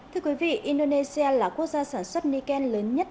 thưa quý vị indonesia là quốc gia sản xuất nikken lớn nhất